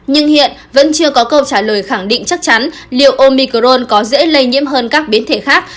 nhưng hiện vẫn chưa có câu trả lời khẳng định chắc chắn liệu omicron có dễ lây nhiễm hơn các biến thể khác